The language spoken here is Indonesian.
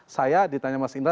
saya ditanya mas indra